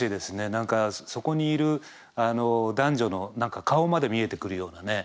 何かそこにいる男女の顔まで見えてくるようなね。